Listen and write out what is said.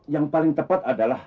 yang paling tepat adalah